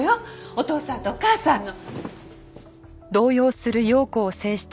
お父さんとお母さんの。